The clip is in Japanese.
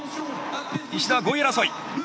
石田は５位争い。